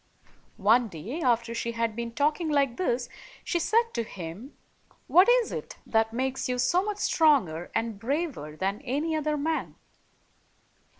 One day, after she had been talking like this, she said to him, "What is it that makes you so much stronger and braver than any other man?"